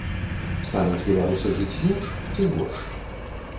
Стануць беларусы жыць лепш ці горш?